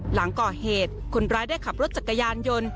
หลังก่อเหตุคนร้ายได้ขับรถจักรยานยนต์